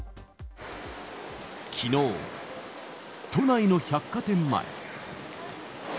きのう、都内の百貨店前。